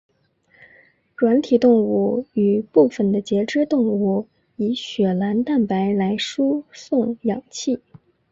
软体动物与部分的节肢动物以血蓝蛋白来输送氧气。